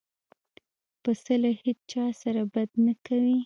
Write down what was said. پسه له هیڅ چا سره بد نه کوي.